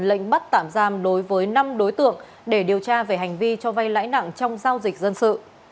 lệnh bắt tạm giam đối với năm đối tượng để điều tra về hành vi cho vay lãi nặng trong giao dịch dân sự